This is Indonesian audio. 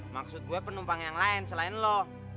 maksud gue penumpang yang lain selain loh